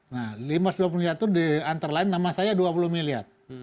nah lima ratus dua puluh miliar itu di antara lain nama saya dua puluh miliar